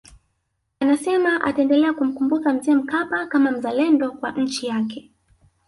Anasema ataendelea kumkumbuka Mzee Mkapa kama mzalendo kwa nchi yake